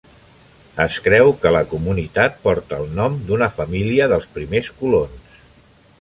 Es creu que la comunitat porta el nom d'una família dels primers colons.